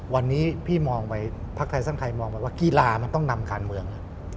วันนี้พี่มองไปพักไทยสร้างไทยมองไปว่ากีฬามันต้องนำการเมือง